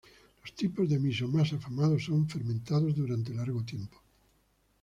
Los tipos de miso más afamados son fermentados durante largo tiempo.